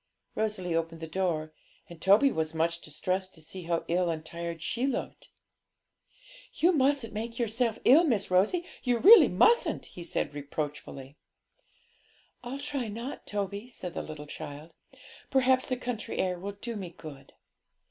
Rosalie opened the door, and Toby was much distressed to see how ill and tired she looked. 'You mustn't make yourself ill, Miss Rosie, you really mustn't!' he said reproachfully. 'I'll try not, Toby,' said the child; 'perhaps the country air will do me good.'